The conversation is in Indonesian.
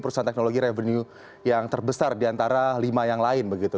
perusahaan teknologi revenue yang terbesar diantara lima yang lain begitu